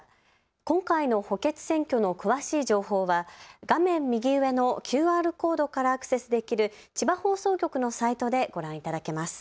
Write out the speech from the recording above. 今回の補欠選挙の詳しい情報は画面右上のＱＲコードからアクセスできる千葉放送局のサイトでご覧いただけます。